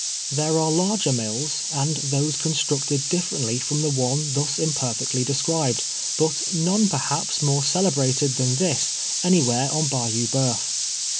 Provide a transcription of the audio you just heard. There are larger mills, and those constructed differ ently from the one thus imperfectly described, but none, perhaps, more celebrated than this anywhere on Bayou B(jeuf.